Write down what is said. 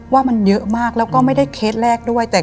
ว่ามันเยอะมากแล้วก็ไม่ได้เคสแรกด้วย